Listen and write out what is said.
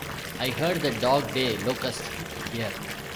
I heard the dog-day locust here.